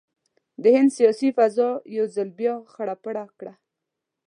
د هند سیاسي فضا یو ځل بیا خړه پړه کړه.